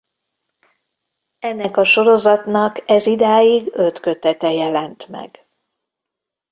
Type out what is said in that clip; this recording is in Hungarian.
Ennek a sorozatnak ez idáig öt kötete jelent meg.